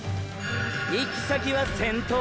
⁉行き先は“先頭”！！